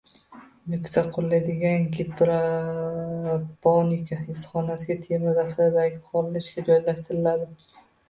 Nukusda quriladigan gidroponika issiqxonasiga “Temir daftar”dagi fuqarolar ishga joylashtiriladi